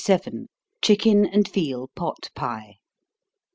_Chicken and Veal Pot Pie.